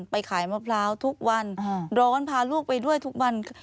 ไปขายมะพร้าวทุกวันร้อนพาลูกไปด้วยทุกวัน